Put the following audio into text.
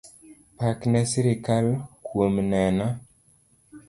Pak ne sirkal kuom neno.